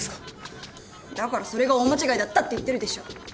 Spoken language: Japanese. だからそれが大間違いだったって言ってるでしょ。